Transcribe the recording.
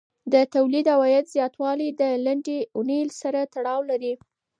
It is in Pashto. د تولید او عاید زیاتوالی د لنډې اونۍ سره تړاو لري.